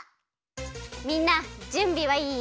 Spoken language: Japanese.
みんなじゅんびはいい？